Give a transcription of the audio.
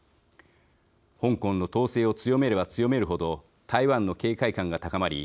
香港の統制を強めれば強めるほど台湾の警戒感が高まり